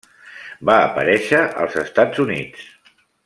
Va aparèixer als Estats Units.